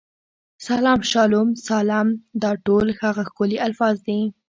سلام، شالوم، سالم، دا ټول هغه ښکلي الفاظ دي.